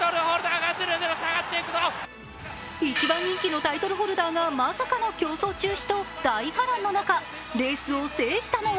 一番人気のタイトルホルダーがまさかの競走中止と大波乱の中レースを制したのは